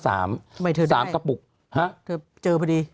ทำไมเธอได้ไข่ฮะเจอพอดี